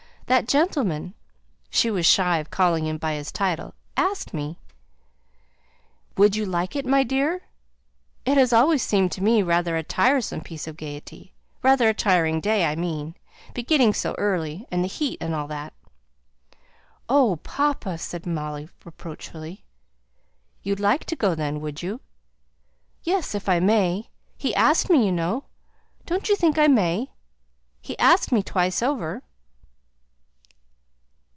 That gentleman" (she was shy of calling him by his title), "asked me." "Would you like it, my dear? It has always seemed to me rather a tiresome piece of gaiety rather a tiring day, I mean beginning so early and the heat, and all that." "Oh, papa!" said Molly, reproachfully. "You'd like to go then, would you?" "Yes; if I may! He asked me, you know. Don't you think I may? he asked me twice over."